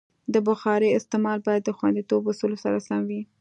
د بخارۍ استعمال باید د خوندیتوب اصولو سره سم وي.